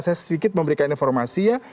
saya sedikit memberikan informasi ya